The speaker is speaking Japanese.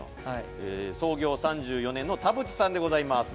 「創業３４年のタブチさんでございます」